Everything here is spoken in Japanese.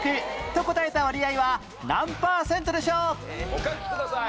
お書きください。